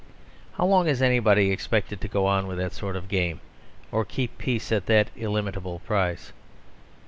How long is anybody expected to go with that sort of game, or keep peace at that illimitable price?